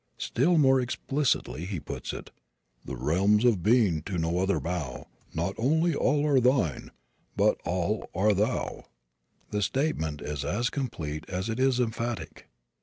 Still more explicitly he puts it: The realms of being to no other bow; Not only all are Thine, but all are Thou. The statement is as complete as it is emphatic.